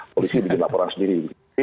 polisi bikin laporan sendiri